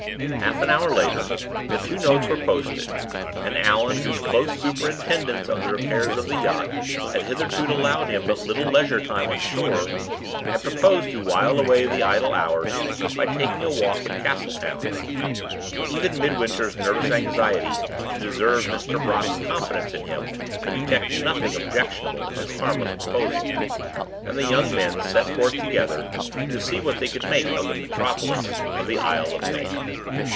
Half an hour later the two notes were posted; and Allan, whose close superintendence of the repairs of the yacht had hitherto allowed him but little leisure time on shore, had proposed to while away the idle hours by taking a walk in Castletown. Even Midwinter's nervous anxiety to deserve Mr. Brock's confidence in him could detect nothing objectionable in this harmless proposal, and the young men set forth together to see what they could make of the metropolis of the Isle of Man.